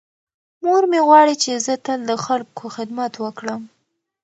مور مې غواړي چې زه تل د خلکو خدمت وکړم.